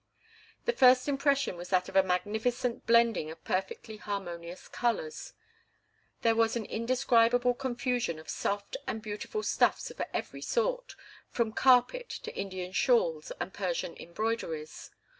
The first impression was that of a magnificent blending of perfectly harmonious colours. There was an indescribable confusion of soft and beautiful stuffs of every sort, from carpets to Indian shawls and Persian embroideries.